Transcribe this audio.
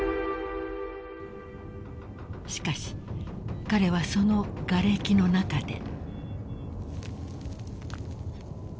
［しかし彼はそのがれきの中で］